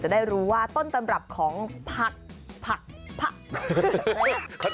จะได้รู้ว่าต้นสำหรับของผัดผ่าดผ่าแอง